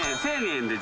１，０００円で。